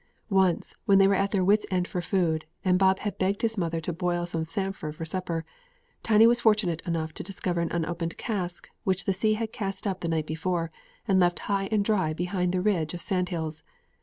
Once, when they were at their wits' end for food, and Bob had begged his mother to boil some samphire for supper, Tiny was fortunate enough to discover an unopened cask which the sea had cast up the night before, and left high and dry behind the ridge of sandhills.